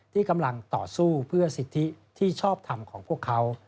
ที่กำลังต่อสู้เพื่อสิทธิที่ชอบทำของพวกเขา